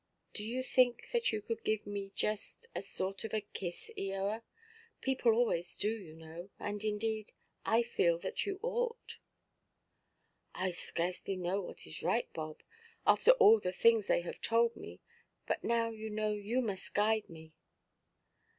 "Do you think that you could give me just a sort of a kiss, Eoa? People always do, you know. And, indeed, I feel that you ought." "I scarcely know what is right, Bob, after all the things they have told me. But now, you know, you must guide me."